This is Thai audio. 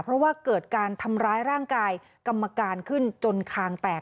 เพราะว่าเกิดการทำร้ายร่างกายกรรมการขึ้นจนคางแตก